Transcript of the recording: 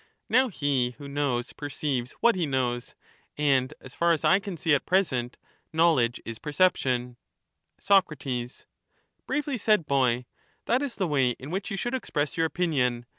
Now socrates. he who knows perceives what he knows, and, as far as I can theaetetus. see at present, knowledge is perception. in answer Soc. Bravely said, boy; that is the way in which you tationhe" should express your opinion.